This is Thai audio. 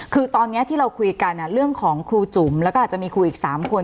คือตอนนี้ที่เราคุยกันเรื่องของครูจุ๋มแล้วก็อาจจะมีครูอีก๓คน